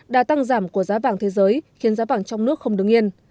đà tăng giảm của giá vàng thế giới khiến giá vàng trong nước không đứng yên